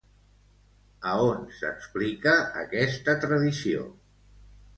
A on s'explica aquesta tradició?